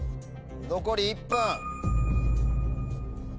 残り１分。